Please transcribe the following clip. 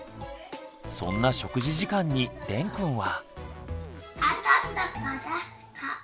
そんな食事時間にれんくんは。